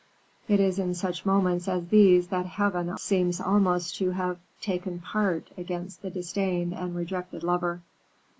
It is in such moments as these that Heaven almost seems to have taken part against the disdained and rejected lover.